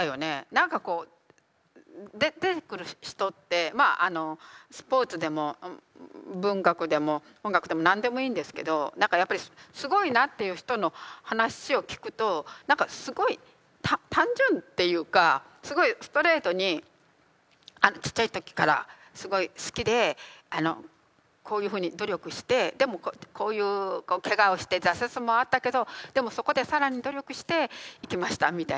何かこう出てくる人ってまああのスポーツでも文学でも音楽でも何でもいいんですけど何かやっぱりすごいなっていう人の話を聞くとすごい単純っていうかすごいストレートにちっちゃい時からすごい好きでこういうふうに努力してでもこういうケガをして挫折もあったけどでもそこで更に努力して行きましたみたいな